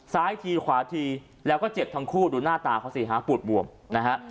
ซ้ายทีขวาทีแล้วก็เจ็บทั้งคู่ดูหน้าตาเขาสิฮะปูดบวมนะฮะ